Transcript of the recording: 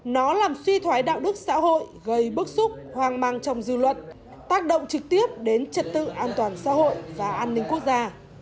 nó làm suy thoái đạo đức xã hội gây bức xúc hoang mang trong dư luận tác động trực tiếp đến trật tự an toàn xã hội và an ninh quốc gia